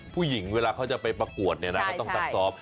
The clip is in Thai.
ผู้หญิงเวลาเขาจะไปประกวดก็ต้องตัดสอบ